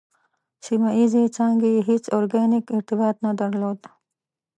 سیمه ییزې څانګې یې هېڅ ارګانیک ارتباط نه درلود.